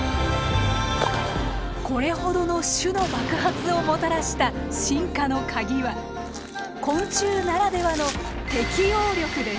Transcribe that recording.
これほどの種の爆発をもたらした進化のカギは昆虫ならではの適応力です。